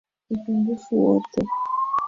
Upungufu wote.